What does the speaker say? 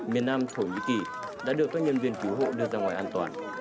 miền nam thổ nhĩ kỳ đã được các nhân viên cứu hộ đưa ra ngoài an toàn